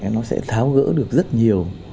nó sẽ tháo gỡ được rất nhiều